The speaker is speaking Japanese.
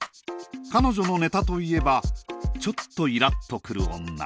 彼女のネタといえばちょっとイラっとくる女。